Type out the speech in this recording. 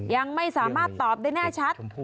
ยังไม่สามารถตอบได้แน่ชัด